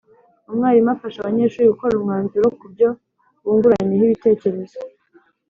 umwarimu afasha abanyeshuri gukora umwanzuro ku byo bunguranyeho ibitekerezo.